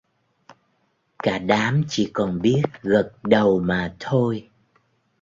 Cả đám chỉ còn biết gật đầu mà thôi